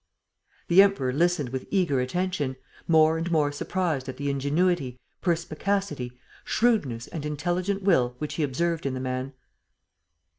The Emperor listened with eager attention, more and more surprised at the ingenuity, perspicacity, shrewdness and intelligent will which he observed in the man.